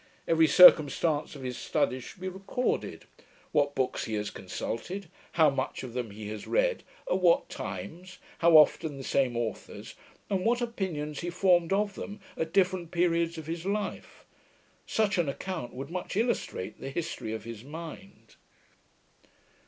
Every circumstance of his studies should be recorded; what books he has consulted; how much of them he has read; at what times; how often the same authors; and what opinions he formed of them, at different periods of his life. Such an account would much illustrate the history of his mind.